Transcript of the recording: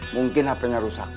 mungkin hp nya rusak